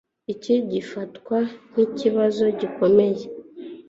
Iki gifatwa nkikibazo gikomeye